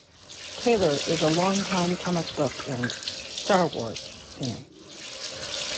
Taylor is a long-time comic book and "Star Wars" fan.